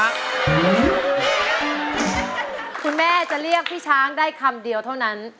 คุณแม่จะเรียกพี่ช้างได้คำเดียวเท่านั้น